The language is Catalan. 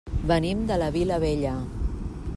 Venim de la Vilavella.